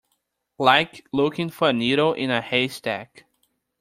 Like looking for a needle in a haystack.